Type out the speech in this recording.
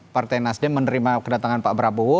partai nasdem menerima kedatangan pak prabowo